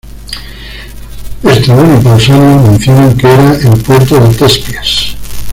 Estrabón y Pausanias mencionan que era el puerto de Tespias.